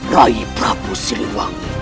raih prabu siliwang